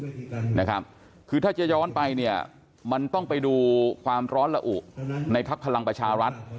นะครับคือถ้าจะย้อนไปเนี่ยมันต้องไปดูความร้อนละอุในพักพลังประชารัฐ